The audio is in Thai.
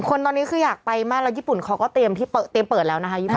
คนตอนนี้คืออยากไปมากแล้วญี่ปุ่นเขาก็เตรียมที่เตรียมเปิดแล้วนะคะ